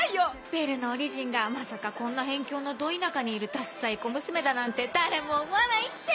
ベルのオリジンがまさかこんな辺境のド田舎にいるダッサい小娘だなんて誰も思わないって。